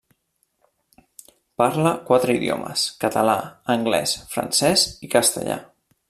Parla quatre idiomes: català, anglès, francès i castellà.